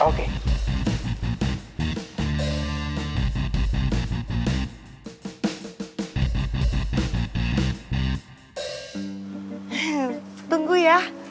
he he tunggu ya